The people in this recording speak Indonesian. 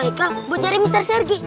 aiko mencari mister sergi